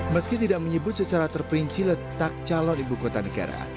meski tidak menyebut secara terperinci letak calon ibu kota negara